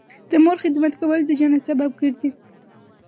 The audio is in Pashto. د مور خدمت کول د جنت سبب ګرځي